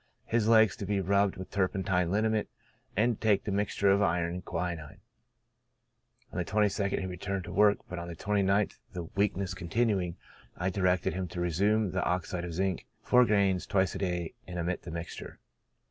His legs to be rubbed with turpentine liniment, and to take the mixture of iron and quinine. On the 22nd he returned to work, but on the 29th the weakness continuing, I directed him to resume the oxide of zinc, gr.iv twice a day, and omit the mixture.